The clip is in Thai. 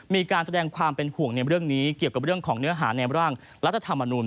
มีการแสดงความเป็นห่วงในเรื่องนี้เกี่ยวกับเรื่องของเนื้อหาในร่างรัฐธรรมนุน